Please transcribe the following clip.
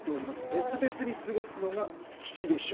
別々に過ごすのが吉でしょう。